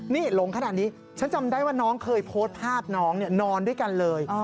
นี่หลงขนาดนี้ฉันจำได้ว่าน้องเคยโพสต์ภาพน้องนอนด้วยกันเลย